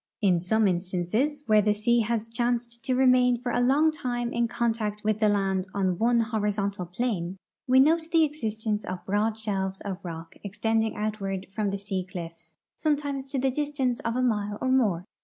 In some instances, where the sea has chanced to remain for a long time in contact with the land on one horizontal plane, we note the existence of broad shelves of rock extending outward from the sea cliffs, sometimes to the distance of a mile or more.